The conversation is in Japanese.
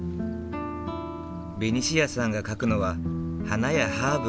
ベニシアさんが描くのは花やハーブがほとんど。